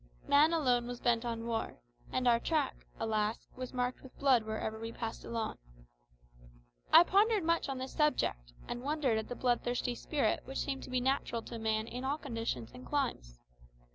Man alone was bent on war, and our track, alas! was marked with blood wherever we passed along. I pondered much on this subject, and wondered at the bloodthirsty spirit which seems to be natural to man in all conditions and climes.